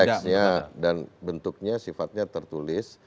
ada konteksnya dan bentuknya sifatnya tertulis